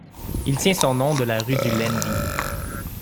Il tient son nom de la rue du Landy..